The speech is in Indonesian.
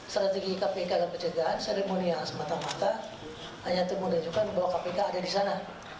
strategi kpk ke pencegahan seremonial semata mata hanya temukan dan tunjukkan bahwa kpk ada di sana